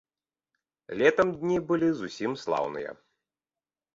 Летам дні былі зусім слаўныя.